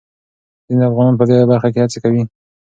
ځينې افغانان په دې برخه کې هڅې کوي.